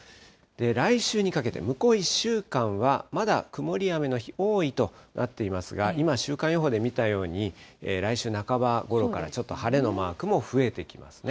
来週にかけて、向こう１週間は、まだ曇りや雨の日、多いとなっていますが、今、週間予報で見たように、来週半ばごろからちょっと晴れのマークも増えてきますね。